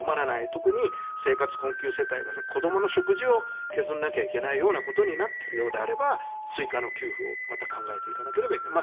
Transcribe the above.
特に生活困窮世帯が子供の食事を削らなければいけないことになっているのであれば追加給付を更に考えていかなければならない。